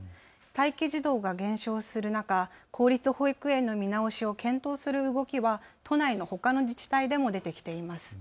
待機児童が減少する中、公立保育園の見直しを検討する動きは都内のほかの自治体でも出てきています。